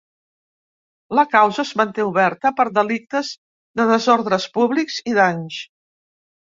La causa es manté oberta per delictes de desordres públics i danys.